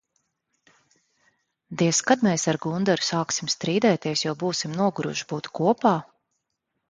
Diez, kad mēs ar Gundaru sāksim strīdēties, jo būsim noguruši būt kopā?